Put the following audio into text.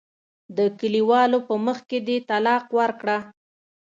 د کلیوالو په مخ کې دې طلاق ورکړه.